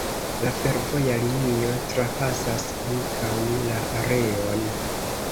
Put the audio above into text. La fervoja linio trapasas ankaŭ la areon.